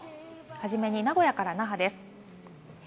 初めに名古屋から那覇です。